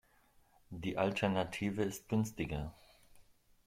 Die Alternative ist günstiger.